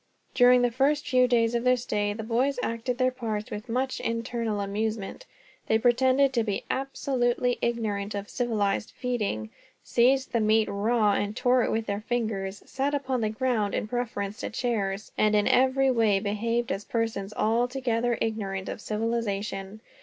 During the first few days of their stay, the boys acted their parts with much internal amusement. They pretended to be absolutely ignorant of civilized feeding, seized the meat raw and tore it with their fingers, sat upon the ground in preference to chairs, and in every way behaved as persons altogether ignorant of civilization.